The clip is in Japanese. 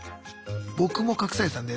僕も隠されてたんで。